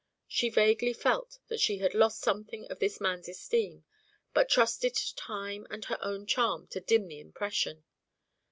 She vaguely felt that she had lost something of this man's esteem, but trusted to time and her own charm to dim the impression.